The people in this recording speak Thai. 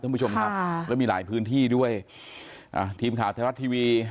ท่านผู้ชมครับค่ะแล้วมีหลายพื้นที่ด้วยอ่าทีมข่าวไทยรัฐทีวี